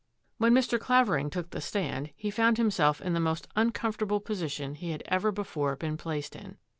When Mr. Clavering took the stand, he found himself in the most uncomfortable position he had ever before been placed in.